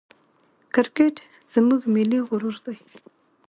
کرکټ زموږ ملي غرور دئ.